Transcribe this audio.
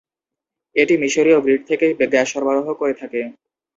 এটি মিশরীয় গ্রিড থেকে গ্যাস সরবরাহ করে থাকে।